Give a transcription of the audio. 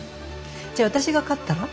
じゃあ私が勝ったら？